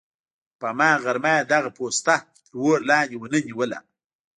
خو په هماغه غرمه یې دغه پوسته تر اور لاندې ونه نیوله.